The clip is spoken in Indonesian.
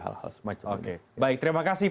hal hal semacamnya baik terima kasih